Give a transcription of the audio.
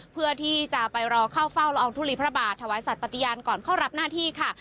เพื่อที่จะไปรอเข้าเฝ้าละอองทุลีพระบาทถวายสัตว์ปฏิญาณก่อนเข้ารับหน้าที่ค่ะ